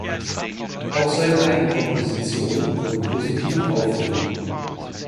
Auch seine Eigenkompositionen wurden positiv aufgenommen.